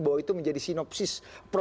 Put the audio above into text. bahwa itu menjadi sinopsis